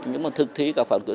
nhưng mà thực thí cả phán quyết